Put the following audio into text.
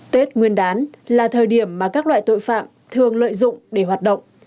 tết nguyên đán là thời điểm mà các loại tội phạm thường lợi dụng để hoạt động